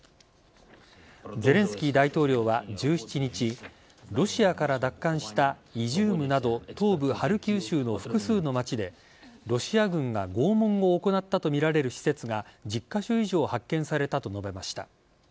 ゼレンスキー大統領は１７日ロシアから奪還したイジュームなど東部・ハルキウ州の複数の街でロシア軍が拷問を行ったとみられる施設が１０カ所以上発見されたと述べました。